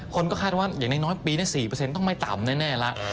คนก็คาดว่าอย่างน้อยปีนี้๔ต้องไม่ต่ำแน่แล้ว